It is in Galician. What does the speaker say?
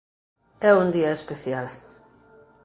É un día especial.